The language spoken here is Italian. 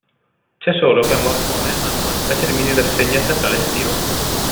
C'è solo che a Morcone hanno una specie di minirassegna teatrale estiva.